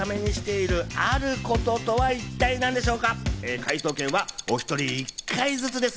解答権はお一人１回ずつです。